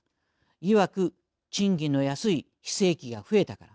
いわく賃金の安い非正規が増えたから。